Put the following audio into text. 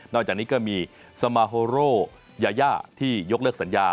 จากนี้ก็มีสมาโฮโรยายาที่ยกเลิกสัญญา